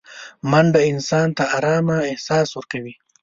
منډه انسان ته ارامه احساس ورکوي